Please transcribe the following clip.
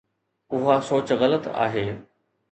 اها سوچ غلط آهي.